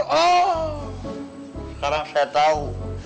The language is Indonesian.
sekarang saya tau